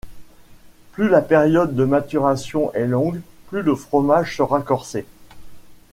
Plus la période de maturation est longue, plus le fromage sera corsé.